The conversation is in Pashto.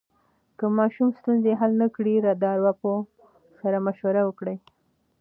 که ماشوم ستونزه حل نه کړي، د ارواپوه سره مشوره وکړئ.